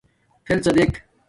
فݵلڎݳ دݵک.